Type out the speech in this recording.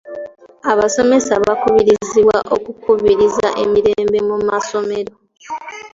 Abasomesa bakubirizibwa okukubiriza emirembe mu masomero.